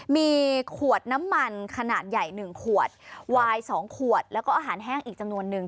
มีขวดน้ำมันขนาดใหญ่๑ขวดวาย๒ขวดแล้วก็อาหารแห้งอีกจำนวนนึง